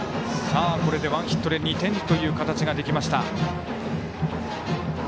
これで、ワンヒットで２点という形ができました。